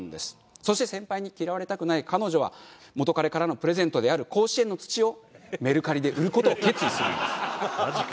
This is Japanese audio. そして先輩に嫌われたくない彼女は元彼からのプレゼントである甲子園の土をメルカリで売る事を決意するんです。